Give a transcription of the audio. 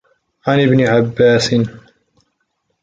عَنْ ابْنِ عَبَّاسٍ